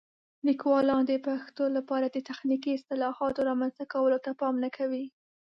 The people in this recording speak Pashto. لیکوالان د پښتو لپاره د تخنیکي اصطلاحاتو رامنځته کولو ته پام نه کوي.